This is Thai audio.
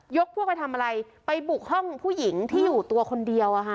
พวกไปทำอะไรไปบุกห้องผู้หญิงที่อยู่ตัวคนเดียวอะค่ะ